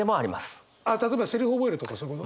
例えばセリフ覚えるとかそういうこと？